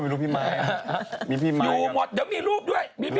อยู่หมดยังมีรูปด้วย